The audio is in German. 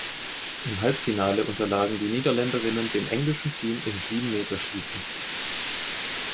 Im Halbfinale unterlagen die Niederländerinnen dem englischen Team im Siebenmeterschießen.